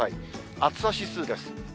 暑さ指数です。